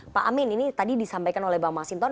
pak amin ini tadi disampaikan oleh bang masinton